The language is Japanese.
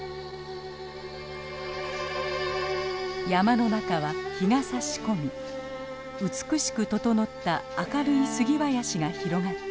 山の中は日がさし込み美しく整った明るいスギ林が広がっています。